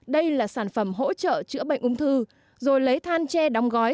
đây là sản phẩm hỗ trợ chữa bệnh ung thư rồi lấy than tre đóng gói